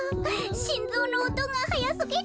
しんぞうのおとがはやすぎる。